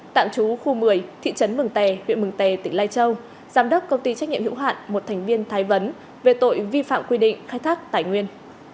tạm trú khu một mươi thị trấn mừng tè huyện mường tè tỉnh lai châu giám đốc công ty trách nhiệm hữu hạn một thành viên thái vấn về tội vi phạm quy định khai thác tài nguyên